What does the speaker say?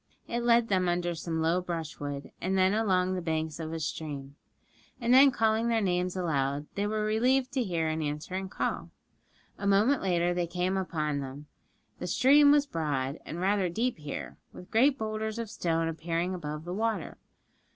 It led them under some low brushwood, and then along the banks of a stream. And then calling their names aloud, they were relieved to hear an answering call. A moment later and they came upon them. The stream was broad, and rather deep here, with great boulders of stone appearing above the water.